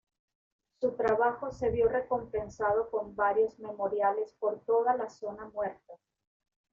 Su trabajo se vio recompensado con varios memoriales por toda la zona muerta.